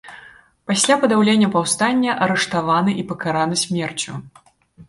Пасля падаўлення паўстання арыштаваны і пакараны смерцю.